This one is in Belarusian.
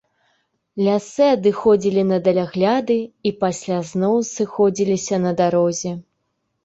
Лясы адыходзілі на далягляды і пасля зноў сыходзіліся на дарозе.